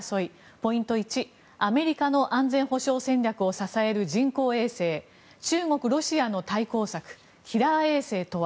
ポイント１、アメリカの安全保障戦略を支える人工衛星中国、ロシアの対抗策キラー衛星とは。